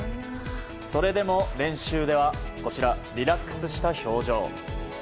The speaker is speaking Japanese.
それでも練習ではリラックスした表情。